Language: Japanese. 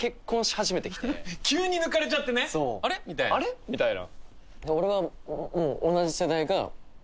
あれ？みたいな。